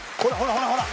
ほらほら！